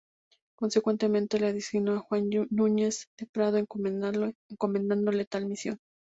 Consecuentemente designó a Juan Núñez de Prado encomendándole tal misión.